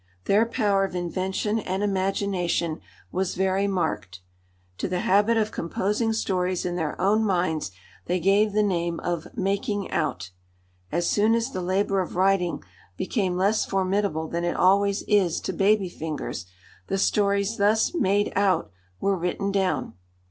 Their power of invention and imagination was very marked; to the habit of composing stories in their own minds they gave the name of "making out." As soon as the labour of writing became less formidable than it always is to baby fingers, the stories thus "made out" were written down.